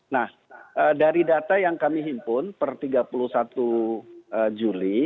nah dari data yang kami himpun per tiga puluh satu juli